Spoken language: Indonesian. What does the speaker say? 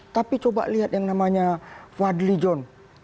tapi coba lihat yang namanya fadli john